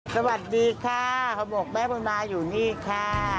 สวัสดีค่ะเขาบอกแม่บุญนาอยู่นี่ค่ะ